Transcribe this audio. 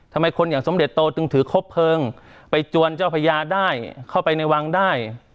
ทำไมคนอย่างสมเด็จโตจึงถือครบเพลิงไปจวนเจ้าพญาได้เข้าไปในวังได้